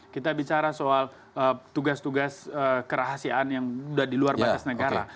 kita bicara soal tugas tugas kerahasiaan yang sudah di luar batas negara